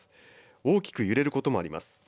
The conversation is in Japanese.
大きく揺れることもあります。